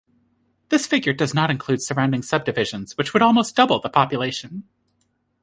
This figure does not include surrounding subdivisions which would almost double the population.